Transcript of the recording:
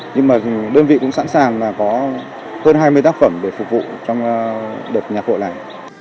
nhưng mà đơn vị cũng sẵn sàng là có hơn hai mươi tác phẩm để phục vụ trong đợt nhạc hội này